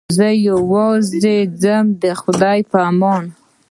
زه یوازې ځم د خدای په امان.